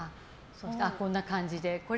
こんな感じで。